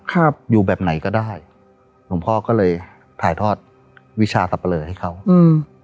ครับอยู่แบบไหนก็ได้หลวงพ่อก็เลยถ่ายทอดวิชาสับปะเลอให้เขาอืม